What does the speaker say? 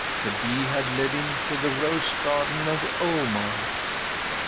The bee had led him to the Rose Garden of Omar.